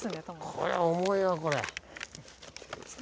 これ重いよこれ。